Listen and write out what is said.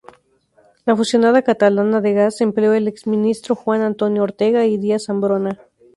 La fusionada Catalana de Gas empleó al exministro Juan Antonio Ortega y Díaz-Ambrona.